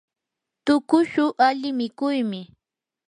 tuqushu ali mikuymi.